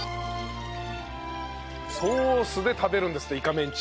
ソースで食べるんですってイカメンチ。